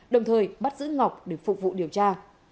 đồng thời bắt giữ ngọc để phục vụ điều tra